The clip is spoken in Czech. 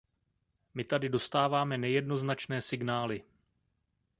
My tady dostáváme nejednoznačné signály.